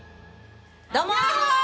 どうも！